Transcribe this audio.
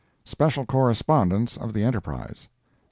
[SPECIAL CORRESPONDENCE OF THE ENTERPRISE.